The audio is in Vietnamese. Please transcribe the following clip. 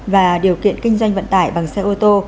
và điều kiện kinh doanh vận tải bằng xe ô tô